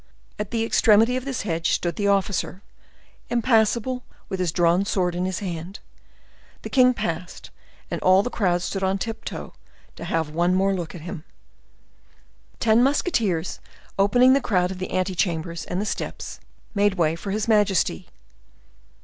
At the extremity of this hedge stood the officer, impassible, with his drawn sword in his hand. The king passed, and all the crowd stood on tip toe, to have one more look at him. Ten musketeers, opening the crowd of the ante chambers and the steps, made way for his majesty.